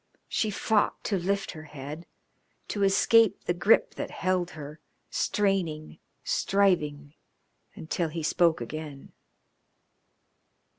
She fought to lift her head, to escape the grip that held her, straining, striving until he spoke again.